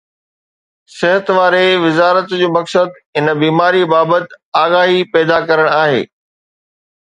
صحت واري وزارت جو مقصد هن بيماري بابت آگاهي پيدا ڪرڻ آهي